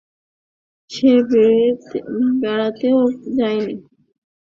সে বেড়াতেও যায় নি।